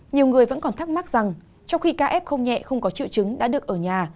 nhiều người vẫn còn thắc mắc rằng trong khi ca f không nhẹ không có triệu chứng đã được ở nhà